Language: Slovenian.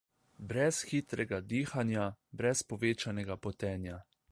Brez hitrega dihanja, brez povečanega potenja.